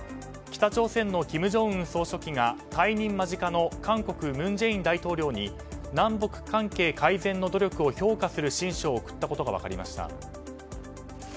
北朝鮮の金正恩総書記が退任間近の韓国、文在寅大統領に南北関係改善の努力を評価する親書を送ったことが分かりました。